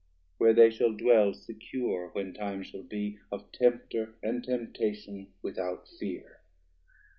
Where they shall dwell secure, when time shall be Of Tempter and Temptation without fear.